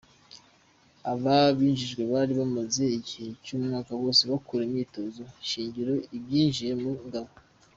Aba binjijwe bari bamaze igihe cy’umwaka wose bakora imyitozo shingiro ibinjiza mu ngabo.